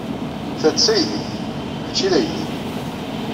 Ta d taydit, maci d aydi.